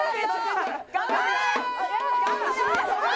頑張れ！